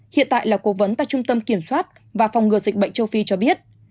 hiện tại là cố vấn tại trung tâm kiểm soát và phòng ngừa dịch bệnh châu phi cho biết